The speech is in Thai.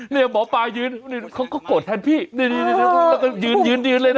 เนี่ยหมอปลายืนเขาก็โกรธทันพี่โอ้โหแล้วก็ยืนยืนยืนเลยน่ะ